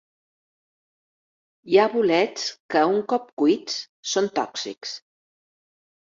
Hi ha bolets que, un cop cuits, són tòxics.